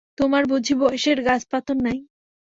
তোমার বুঝি বয়সের গাছপাথর নাই!